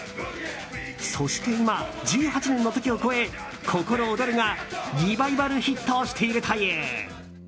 そして今、１８年の時を越え「ココロオドル」がリバイバルヒットしているという。